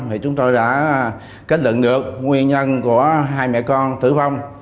thì chúng tôi đã kết luận được nguyên nhân của hai mẹ con tử vong